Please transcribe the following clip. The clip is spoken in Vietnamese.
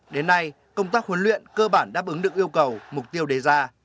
đến nay công tác huấn luyện cơ bản đáp ứng được yêu cầu mục tiêu đề ra